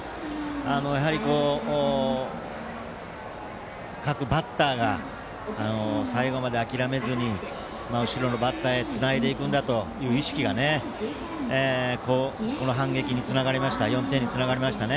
やはり、各バッターが最後まで諦めずに後ろのバッターへつないでいくんだという意識がね、この反撃に４点につながりましたね。